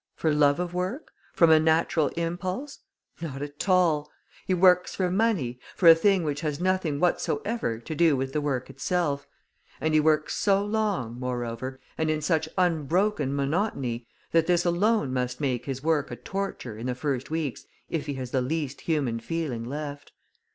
For love of work? From a natural impulse? Not at all! He works for money, for a thing which has nothing whatsoever to do with the work itself; and he works so long, moreover, and in such unbroken monotony, that this alone must make his work a torture in the first weeks if he has the least human feeling left.